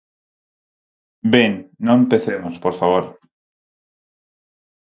¡Ben, non empecemos, por favor!